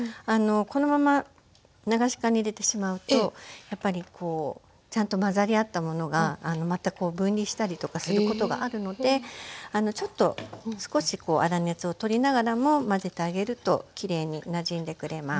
このまま流し函に入れてしまうとやっぱりちゃんと混ざり合ったものがまた分離したりとかすることがあるのでちょっと少し粗熱を取りながらも混ぜてあげるときれいになじんでくれます。